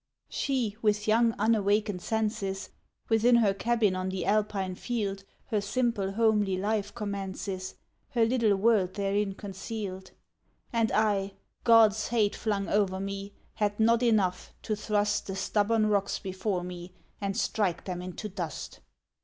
She with young unwakened senses, Within her cabin on the Alpine field Her simple homely life commences, Her little world therein concealed. And I, God's hate flung o'er me, Had not enough, to thrust The stubborn rocks before me And strike them into dust